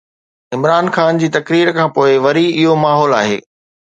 عمران خان جي تقرير کانپوءِ وري اهو ماحول آهي.